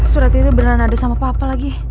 surat itu benar benar ada sama papa lagi